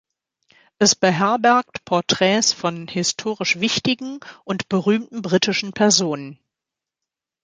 Es beherbergt Porträts von historisch wichtigen und berühmten britischen Personen.